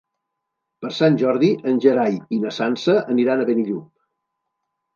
Per Sant Jordi en Gerai i na Sança aniran a Benillup.